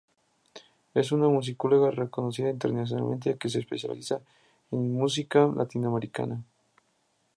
Es una musicóloga reconocida internacionalmente que se especializa en música latinoamericana.